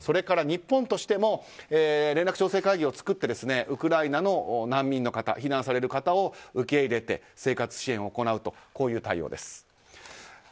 日本としても連絡調整会議を作りウクライナの難民の方避難される方を受け入れて生活支援を行うという対応です。